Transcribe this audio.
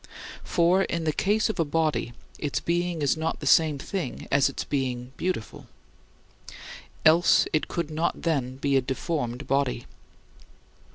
For, in the case of a body, its being is not the same thing as its being beautiful; else it could not then be a deformed body.